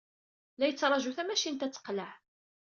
La yettṛaju tamacint ad teqleɛ.